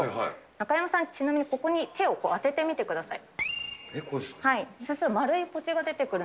中山さん、ちなみにここに手を当ててみてください。